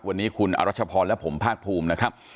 วันนี้คุณอรัชพรและผมภาคภูมินะครับ